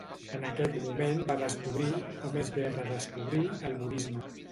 En aquest moment va descobrir, o més bé redescobrir, el budisme.